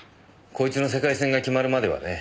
こいつの世界戦が決まるまではね。